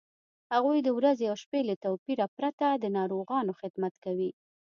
هغوی د ورځې او شپې له توپیره پرته د ناروغانو خدمت کوي.